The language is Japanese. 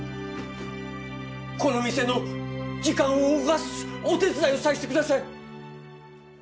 この店の時間を動かすお手伝いをさせてください！